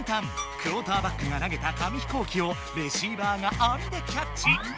クオーターバックが投げた紙飛行機をレシーバーがあみでキャッチ。